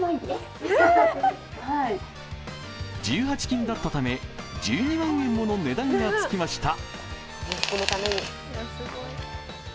１８金だったため１２万円もの値段がつきました。